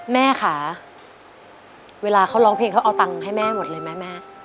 แม่ค่ะเวลาเขาร้องเพลงเขาเอาตังค์ให้แม่หมดเลยไหมแม่